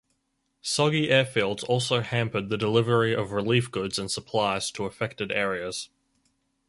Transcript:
Soggy airfields also hampered the delivery of relief goods and supplies to affected areas.